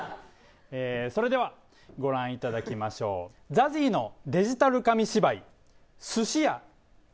えそれではご覧いただきましょうＺＡＺＹのデジタル紙芝居「寿司屋」